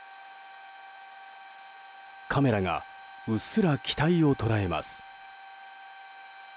カメラがうっすら機体を捉えます。